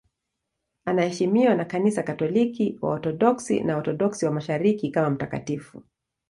Anaheshimiwa na Kanisa Katoliki, Waorthodoksi na Waorthodoksi wa Mashariki kama mtakatifu.